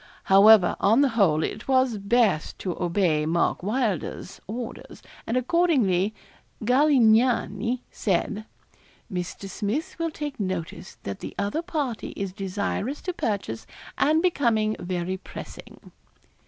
However, on the whole, it was best to obey Mark Wylder's orders, and accordingly 'Galignani' said: '_Mr. Smith will take notice that the other party is desirous to purchase, and becoming very pressing.